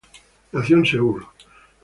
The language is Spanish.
Nació en Seúl.